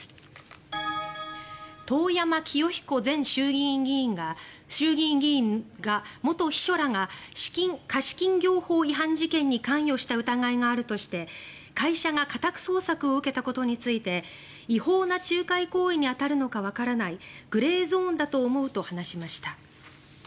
遠山清彦前衆議院議員の元秘書らが貸金業法違反事件に関与した疑いがあるとして会社が家宅捜索を受けたことについて違法な仲介行為に当たるのかわからないグレーゾーンだと思うと話しました。